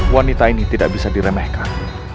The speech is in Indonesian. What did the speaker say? wanita ini tidak bisa diremehkan